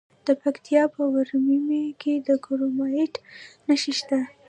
د پکتیکا په ورممی کې د کرومایټ نښې شته.